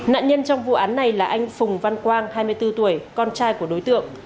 nạn nhân trong vụ án này là anh phùng văn quang hai mươi bốn tuổi con trai của đối tượng